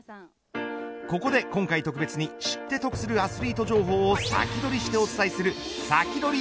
ここで今回特別に知って得するアスリート情報を先取りしてお伝えするサキドリ！